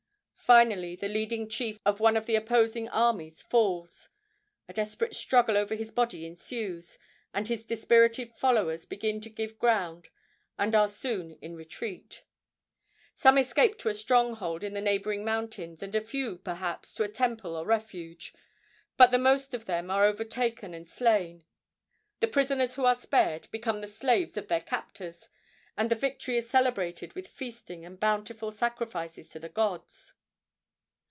Finally the leading chief of one of the opposing armies falls. A desperate struggle over his body ensues, and his dispirited followers begin to give ground and are soon in retreat. Some escape to a stronghold in the neighboring mountains, and a few, perhaps, to a temple of refuge; but the most of them are overtaken and slain. The prisoners who are spared become the slaves of their captors, and the victory is celebrated with feasting and bountiful sacrifices to the gods.